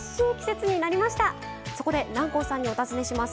そこで南光さんにお尋ねします。